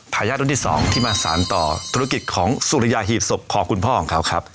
ทายาทรุ่นที่๒ที่มาสารต่อธุรกิจของสุริยาหีบศพของคุณพ่อของเขาครับ